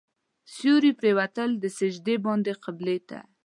سیوري پرېوتل سجدې باندې قبلې ته.